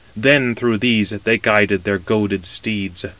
Then through these they guided their goaded steeds.